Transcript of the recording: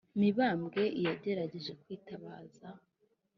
mibambwe i yagerageje kwitabaza